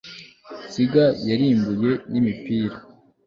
nsiga nyirimbuye n'imipira